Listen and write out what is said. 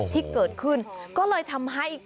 ที่เกิดขึ้นก็เลยทำให้